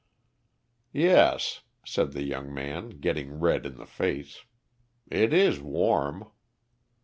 "Yes," said the young man, getting red in the face, "it is warm."